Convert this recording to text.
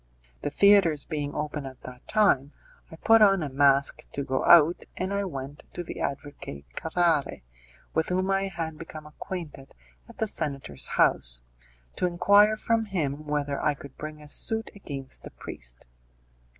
The theatres being open at that time I put on a mask to go out, and I, went to the advocate Carrare, with whom I had become acquainted at the senator's house, to inquire from him whether I could bring a suit against the priest.